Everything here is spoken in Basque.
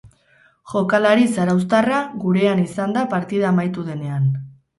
Jokalari zarauztarra gurean izan da partida amaitu denean.